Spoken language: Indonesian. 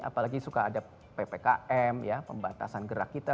apalagi suka ada ppkm ya pembatasan gerak kita